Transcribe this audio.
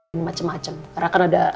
ini macem macem rakan ada